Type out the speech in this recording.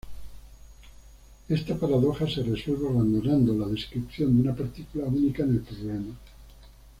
Esta paradoja se resuelve abandonando la descripción de una partícula única en el problema.